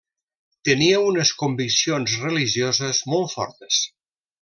Tenia unes conviccions religioses molt fortes.